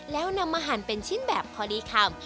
แล้วนำมาหั่นเป็นชิ้นแบบพอดีคำ